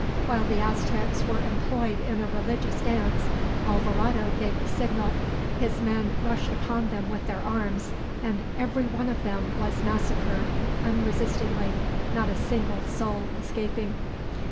While the Aztecs were employed in a religious dance, Alvarado gave the signal, his men rushed upon them with their arms, and every one of them was massacred unresistingly, not a single soul escaping.